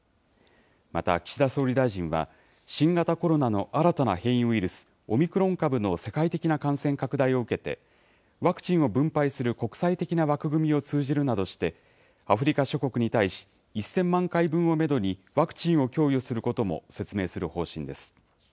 また、岸田総理大臣は新型コロナの新たな変異ウイルス、オミクロン株の世界的な感染拡大を受けて、ワクチンを分配する国際的な枠組みを通じるなどして、アフリカ諸国に対し、１０００万回分をメドにワクチンを供与することも説明する方針です。